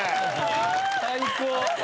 ・最高。